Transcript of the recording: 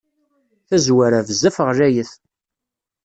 Tazwara, bezzaf ɣlayet.